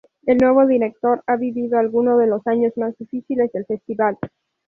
El nuevo director ha vivido alguno de los años más difíciles del festival.